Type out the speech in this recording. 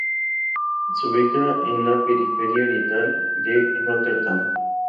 Se ubica en la periferia oriental de Róterdam.